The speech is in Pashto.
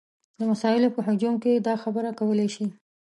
د مسایلو په هجوم کې دا خبره کولی شي.